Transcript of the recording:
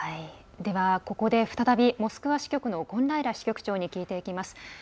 ここで再びモスクワ支局の権平支局長に聞いていきます。